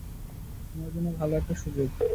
তোমার জন্য ভালো একটা সুযোগ।